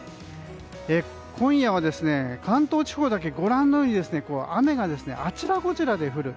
今夜は関東地方だけご覧のように雨があちらこちらで降る。